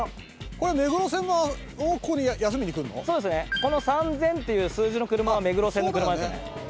これ、目黒線が、そうですね、この３０００っていう数字の車、目黒線の車。